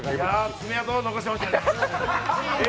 爪痕残しましたね。